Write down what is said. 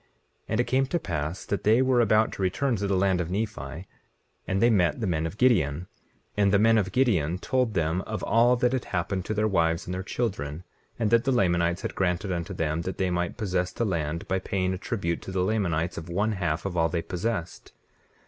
19:22 And it came to pass that they were about to return to the land of Nephi, and they met the men of Gideon. And the men of Gideon told them of all that had happened to their wives and their children; and that the Lamanites had granted unto them that they might possess the land by paying a tribute to the Lamanites of one half of all they possessed.